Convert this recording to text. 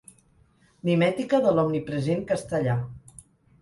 Mimètica de l'omnipresent castellà.